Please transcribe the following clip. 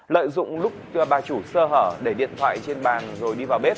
lợi dụng lúc bà chủ sơ hở để điện thoại trên bàn rồi đi vào bếp